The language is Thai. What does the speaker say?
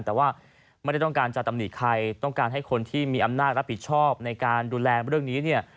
แต่ว่าไม่ได้ต้องการจะตำหนิใครต้องการให้คนที่มีอำนาจรับผิดชอบในการดูแลเรื่องนี้เนี่ย